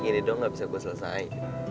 gini dong gak bisa gue selesai